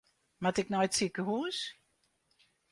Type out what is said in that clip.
Moat ik nei it sikehûs?